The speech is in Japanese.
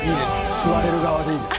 吸われる側でいいです。